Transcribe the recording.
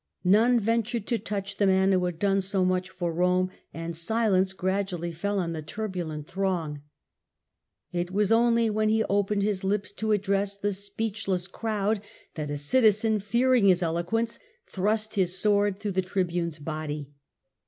None ventured to touch the man who had done so much for Rome, and silence gradually fell on the turbulent throng. It was only when he opened his lips to address the speechless crowd that a citizen, fearing his eloquence, thrust his sword through the Tribune's body.